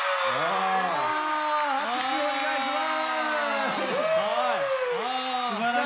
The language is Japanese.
拍手お願いします！